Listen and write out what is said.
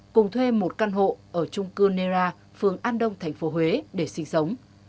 cùng thuê một căn hộ ở trung cư nera phường an đông tp huế để sinh sống